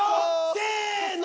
せの！